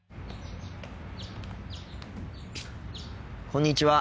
こんにちは。